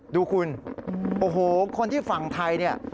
ดูคุณโอ้โฮคนที่ฝั่งไทย